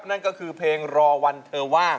นั่นก็คือเพลงรอวันเธอว่าง